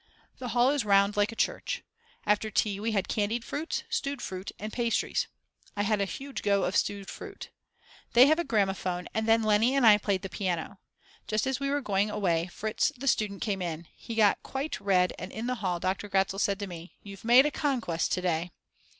The hall is round like a church. After tea we had candied fruits, stewed fruit, and pastries. I had a huge go of stewed fruit. They have a gramaphone and then Leni and I played the piano. Just as we were going away Fritz, the student, came in; he got quite red and in the hall Dr. Gratzl said to me: "You've made a conquest to day."